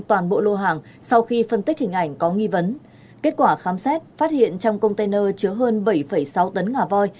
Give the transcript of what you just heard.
toàn bộ lô hàng sau khi phân tích hình ảnh có nghi vấn kết quả khám xét phát hiện trong container chứa hơn bảy sáu tấn ngà voi